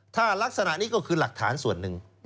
ถ้ารักษณะนี้ก็คือหลักฐานส่วนหนึ่ง